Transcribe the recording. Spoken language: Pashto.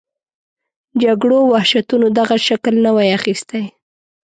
جګړو او وحشتونو دغه شکل نه وای اخیستی.